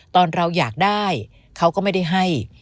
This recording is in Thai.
ตอนเราอยากได้เขาก็ไม่ได้ให้